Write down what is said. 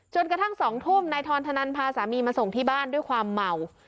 กระทั่ง๒ทุ่มนายทรธนันพาสามีมาส่งที่บ้านด้วยความเมา